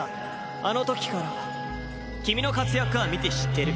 あの時から君の活躍は見て知ってる。